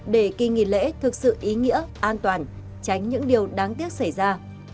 để kỳ nghỉ lễ thực sự ý nghĩa an toàn tránh những điều đáng tiếc xảy ra